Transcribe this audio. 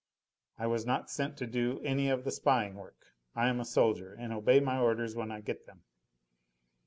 I was not set to do any of the spying work. I am a soldier, and obey my orders when I get them."